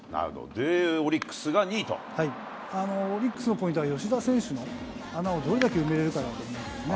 で、オリックスがオリックスのポイントは、吉田選手の穴をどれだけ埋めれるかだと思うんですね。